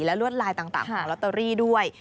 และลวดลายต่างของลอตเตอรี่ด้วย